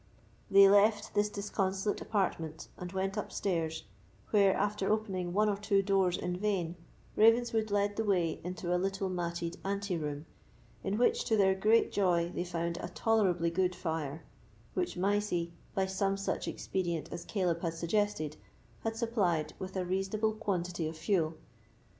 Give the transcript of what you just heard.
They left this disconsolate apartment, and went upstairs, where, after opening one or two doors in vain, Ravenswood led the way into a little matted ante room, in which, to their great joy, they found a tolerably good fire, which Mysie, by some such expedient as Caleb had suggested, had supplied with a reasonable quantity of fuel.